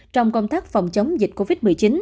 trong công tác phòng chống dịch covid một mươi chín